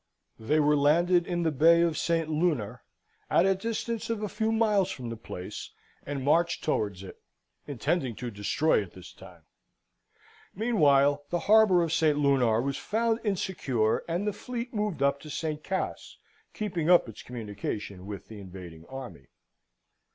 They were landed in the Bay of St. Lunar, at a distance of a few miles from the place, and marched towards it, intending to destroy it this time. Meanwhile the harbour of St. Lunar was found insecure, and the fleet moved up to St. Cas, keeping up its communication with the invading army.